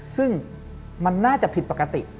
ซึ่งมันน่าจะผิดปกติ